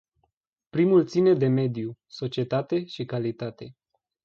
Primul ține de mediu, societate și calitate.